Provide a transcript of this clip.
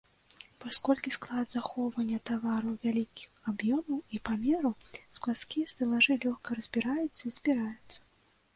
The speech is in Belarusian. Паколькі склад захоўвання тавараў вялікіх аб'ёмаў і памераў, складскія стэлажы лёгка разбіраюцца і збіраюцца.